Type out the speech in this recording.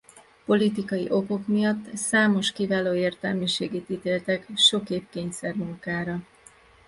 Politikai okok miatt számos kiváló értelmiségit ítéltek sok év kényszermunkára.